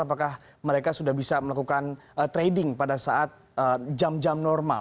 apakah mereka sudah bisa melakukan trading pada saat jam jam normal